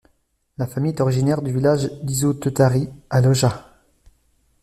La famille est originaire du village d'Iso-Teutari à Lohja.